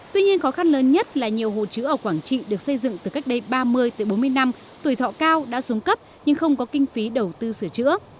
tuy nhiên khó khăn lớn nhất là nhiều hồ chứa ở quảng trị được xây dựng từ cách đây ba mươi bốn mươi năm tuổi thọ cao đã xuống cấp nhưng không có kinh phí đầu tư sửa chữa